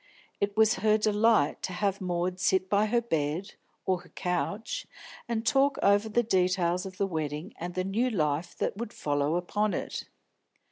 It was her delight to have Maud sit by her bed, or her couch, and talk over the details of the wedding and the new life that would follow upon it.